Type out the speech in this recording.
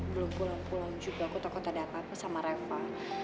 belum pulang pulang juga aku tau kok tak ada apa apa sama reva